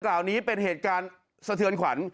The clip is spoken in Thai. เหล่านี้เป็นเหตุการณ์สะเทือนขวัญ